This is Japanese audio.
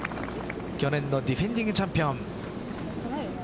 去年のディフェンディングチャンピオン。